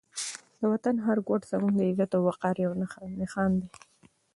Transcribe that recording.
د وطن هر ګوټ زموږ د عزت او وقار یو نښان دی.